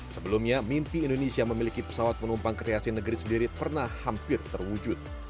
sebelumnya mimpi indonesia memiliki pesawat penumpang kreasi negeri sendiri pernah hampir terwujud